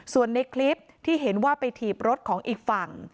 ส่วนในคลิปที่เห็นว่าไปถีบรถของอีกฝั่ง